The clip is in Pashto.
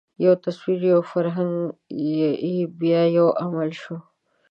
یو تصور، یو فکر، بیا یو عمل شو.